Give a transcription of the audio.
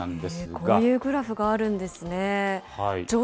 こういうグラフがあるんですね。